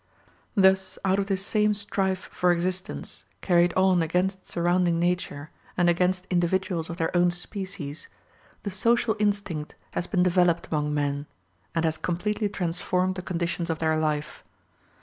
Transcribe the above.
Thus out of this same strife for existence, carried on against surrounding nature, and against individuals of their own species, the social instinct has been developed among men, and has completely transformed the conditions of their life.